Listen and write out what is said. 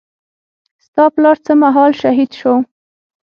ستا پلار څه مهال شهيد سو.